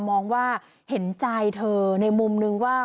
มองว่าเห็นใจเธอในมุมนึงว่า